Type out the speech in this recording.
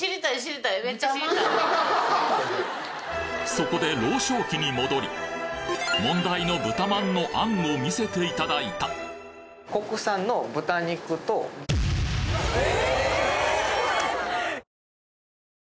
そこで老祥記に戻り問題の豚まんの餡を見せていただいたえ！？